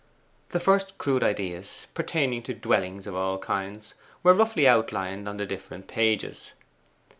The first crude ideas, pertaining to dwellings of all kinds, were roughly outlined on the different pages.